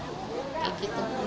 sepi banget deh